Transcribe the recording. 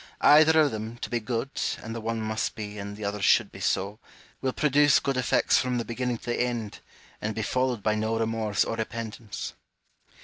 Either of them, to be good (and the one must be and the otJier should be so), will produce good effects from the beginning to the end, and be followed by no remorse or repentance.